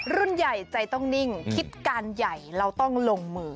รุ่นใหญ่ใจต้องนิ่งคิดการใหญ่เราต้องลงมือ